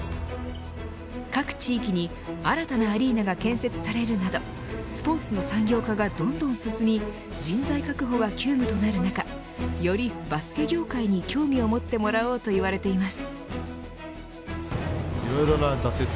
各地域に新たなアリーナが建設されるなどスポーツの産業化がどんどん進み人材確保が急務となる中よりバスケ業界に興味を持ってもらおうと言われています。